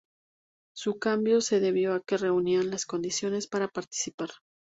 Su cambio se debió a que reunían las condiciones para participar.